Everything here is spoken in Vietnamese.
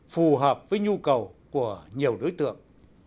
phù hợp với nhu cầu của nhiều đối tượng